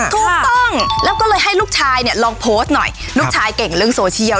ถูกต้องแล้วก็เลยให้ลูกชายเนี่ยลองโพสต์หน่อยลูกชายเก่งเรื่องโซเชียล